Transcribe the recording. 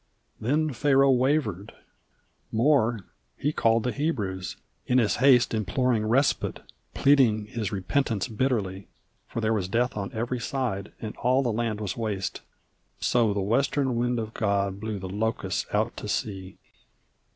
Then Pharaoh wavered more he called the Hebrews in his haste Imploring respite pleading his repentance bitterly For there was death on every side, and all the land was waste; So the western wind of God blew the locusts out to sea.